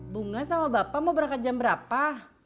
bunga sama bapak mau berangkat jam berapa